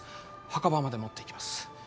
墓場まで持っていきます